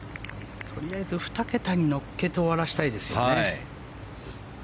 とりあえず２桁に乗っけて終わらせたいですよね。